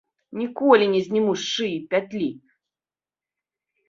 Ніколі не зніму з шыі пятлі.